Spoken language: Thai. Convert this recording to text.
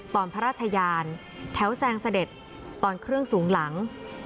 ตอนพระราชยานแถวแซงเสด็จตอนเครื่องสูงหลัง